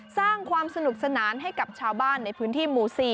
สร้างความสนุกสนานให้กับชาวบ้านในพื้นที่หมู่๔